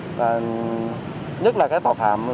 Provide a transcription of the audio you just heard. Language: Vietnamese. là tăng gần công tác tấn công tội phạm